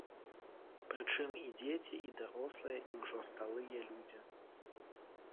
Прычым, і дзеці, і дарослыя, і ўжо сталыя людзі.